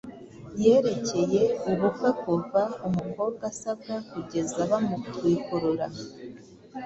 yerekeye ubukwe kuva umukobwa asabwa kugeza bamutwikurura,